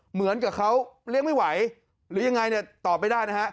เหมือนกับเขาเลี้ยงไม่ไหวหรือยังไงเนี่ยตอบไม่ได้นะฮะ